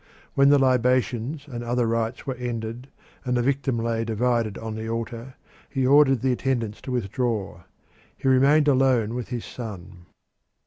When the libations and other rites were ended and the victim lay divided on the altar, he ordered the attendants to withdraw. He remained alone with his son.